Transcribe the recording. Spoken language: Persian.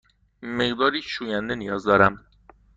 مقداری شوینده نیاز دارم.